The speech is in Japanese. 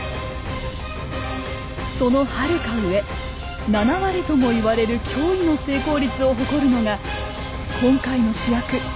そのはるか上７割ともいわれる脅威の成功率を誇るのが今回の主役リカオンです。